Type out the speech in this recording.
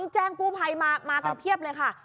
แจ้งกู้ภัยมากันเพียบเลยค่ะ